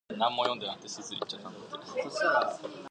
Only by and by her attitude towards him begins to change.